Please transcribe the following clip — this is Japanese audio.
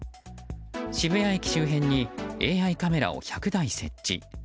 渋谷駅周辺にＡＩカメラを１００台設置。